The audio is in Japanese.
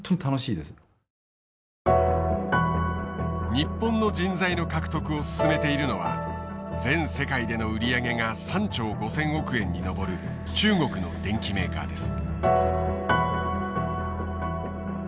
日本の人材の獲得を進めているのは全世界での売り上げが３兆５，０００億円に上る中国の電機メーカーです。